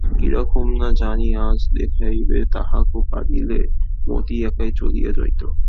কীরকম না জানি আজ দেখাইবে তাহাকো পারিলে মতি একাই চলিয়া যাইত।